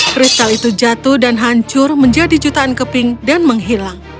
kristal itu jatuh dan hancur menjadi jutaan keping dan menghilang